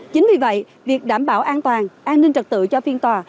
chính vì vậy việc đảm bảo an toàn an ninh trật tự cho phiên tòa